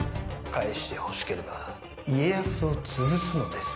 返してほしければ家康をつぶすのです。